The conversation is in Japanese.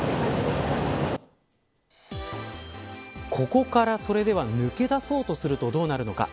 ここから抜け出そうとするとどうなるのか。